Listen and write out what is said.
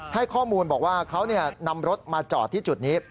ให้ข้อมูลบอกว่าเขานำรถมาจอดที่จุดนี้